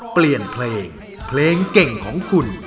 เปลี่ยนเพลงเพลงเก่งของคุณ